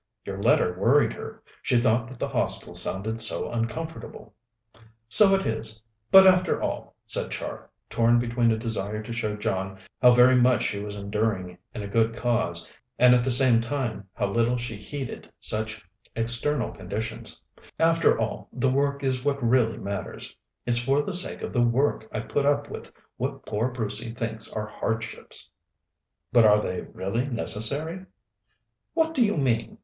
"Your letter worried her. She thought that the Hostel sounded so uncomfortable." "So it is. But, after all," said Char, torn between a desire to show John how very much she was enduring in a good cause, and at the same time how little she heeded such external conditions, "after all the work is what really matters. It's for the sake of the work I put up with what poor Brucey thinks are hardships." "But are they really necessary?" "What do you mean?"